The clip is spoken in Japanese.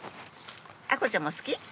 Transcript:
愛心ちゃんも好き？